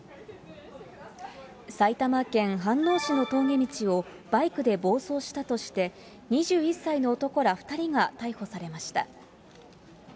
埼玉県飯能市の峠道をバイクで暴走したとして、２１歳の男ら２人が逮捕されました。